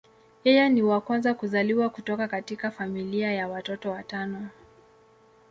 Yeye ni wa kwanza kuzaliwa kutoka katika familia ya watoto watano.